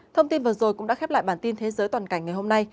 thông tin vừa rồi cũng đã khép lại bản tin thế giới toàn cảnh ngày hôm nay